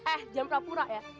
eh jangan prapura ya